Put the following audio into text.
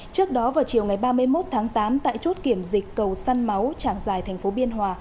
trước đó vào chiều ngày ba mươi một tháng tám tại chốt kiểm dịch cầu săn máu trảng dài tp biên hòa